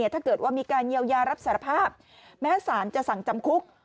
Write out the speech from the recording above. ถ้าเกิดว่ามีการเยียวยารับสารภาพแม้สารจะสั่งจำคุก